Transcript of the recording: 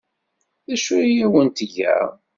D acu ay awent-tga?